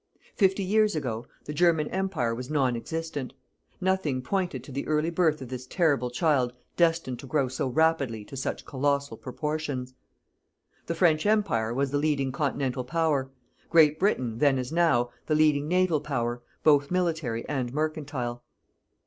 Fifty years ago, the German Empire was non existent. Nothing pointed to the early birth of this terrible child destined to grow so rapidly to such colossal proportions. The French Empire was the leading continental Power; Great Britain, then as now, the leading naval Power, both military and mercantile.